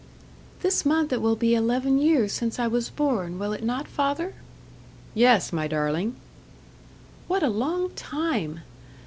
"This month it will be eleven years since I was born, will it not, father?" "Yes, my darling." "What a long time!